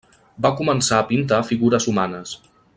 Va començar a pintar figures humanes.